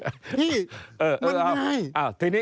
พี่มันไม่